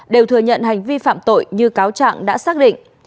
đều thừa nhận hành vi phạm tội như cáo trạng đã xác định